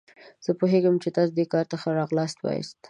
زه پوهیږم چې تاسو دې کار ته ښه راغلاست وایاست.